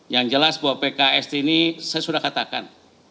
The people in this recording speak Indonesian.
yang jelas bahwa pks ini saya sudah katakan